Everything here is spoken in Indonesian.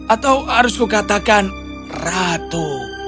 atau harus kukatakan ratu